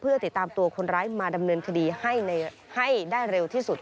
เพื่อติดตามตัวคนร้ายมาดำเนินคดีให้ได้เร็วที่สุด